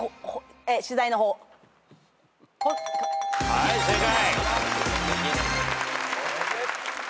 はい正解。